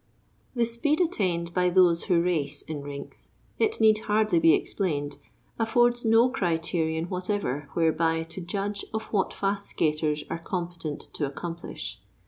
The speed attained by those who race in rinks, it need hardly be explained, affords no criterion whatever whereby to judge of what fast skaters are competent to accomplish.